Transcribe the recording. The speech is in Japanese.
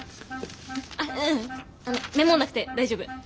あっううんメモんなくて大丈夫。